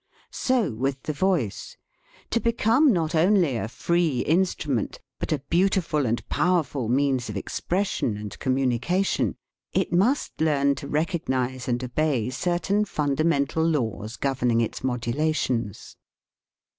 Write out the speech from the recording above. So with the voice: to become not only a free instrument, but a beautiful and power ful means of expression and commnuicatiori, it must learn to recognize and obey certain fundamental laws governing its modulations.